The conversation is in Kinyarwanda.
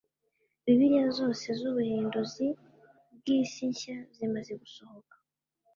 bibiliya zose z ubuhinduzi bw isi nshya zimaze gusohoka